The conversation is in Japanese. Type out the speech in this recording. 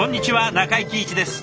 中井貴一です。